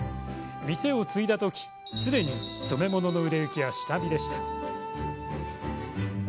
店を継いだ時、すでに染め物の売れ行きは下火でした。